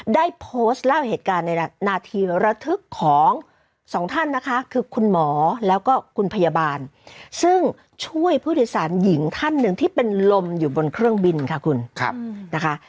ได้โพสต์เล่าเหตุการณ์ในนาทีระทึกของสองท่านนะคะคือคุณหมอแล้วก็คุณพยาบาลซึ่งช่วยผู้โดยสารหญิงท่านหนึ่งที่เป็นลมอยู่บนเครื่องบินค่ะคุณนะคะ